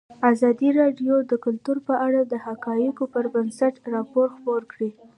ازادي راډیو د کلتور په اړه د حقایقو پر بنسټ راپور خپور کړی.